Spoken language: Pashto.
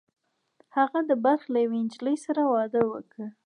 هغه د بلخ له یوې نجلۍ سره واده وکړ